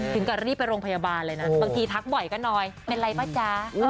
ถึงกับรีบไปโรงพยาบาลเลยนะบางทีทักบ่อยก็น้อยเป็นไรป่ะจ๊ะ